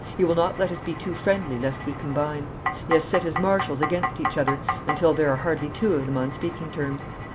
He will not let us be too friendly lest we combine. He has set his Marshals against each other until there are hardly two of them on speaking terms.